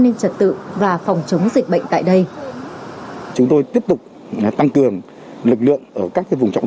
an ninh trật tự và phòng chống dịch bệnh tại đây chúng tôi tiếp tục tăng cường lực lượng ở các vùng trọng